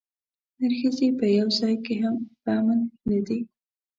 نرښځي په یوه ځای کې هم په امن نه دي.